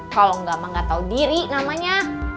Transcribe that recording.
kalau enggak mengatau diri namanya